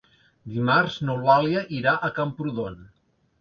Dimarts n'Eulàlia irà a Camprodon.